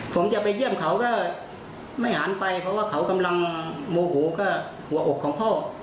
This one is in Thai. ผมจะไปเยี่ยมเขาก็ไม่หันไปเพราะว่าเขากำลังโมโหก็หัวอกของพ่อ